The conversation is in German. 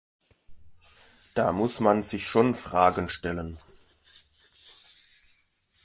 Da muss man sich schon Fragen stellen.